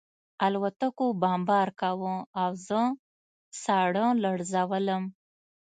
الوتکو بمبار کاوه او زه ساړه لړزولم